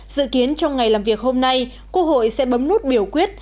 dự kiến trong ngày làm việc hôm nay quốc hội sẽ bấm nút biểu quyết